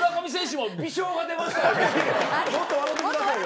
もっと笑てくださいよ。